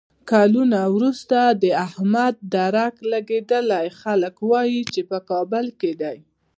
کلونه ورسته د احمد درک لګېدلی، خلک وایي چې په کابل کې دی.